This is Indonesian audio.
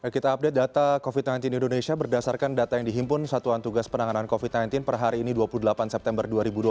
kita update data covid sembilan belas di indonesia berdasarkan data yang dihimpun satuan tugas penanganan covid sembilan belas per hari ini dua puluh delapan september dua ribu dua puluh